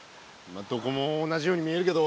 どこも同じように見えるけど。